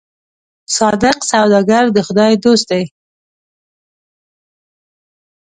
صادق سوداګر د خدای دوست دی.